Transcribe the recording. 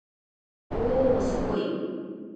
おおおすごい